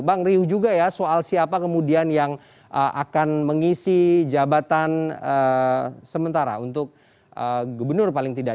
bang riuh juga ya soal siapa kemudian yang akan mengisi jabatan sementara untuk gubernur paling tidak